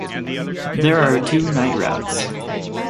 There are two night routes.